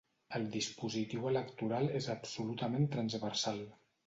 El dispositiu electoral és absolutament transversal.